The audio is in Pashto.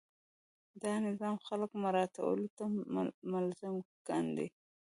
دا نظام خلک مراعاتولو ته ملزم کاندي.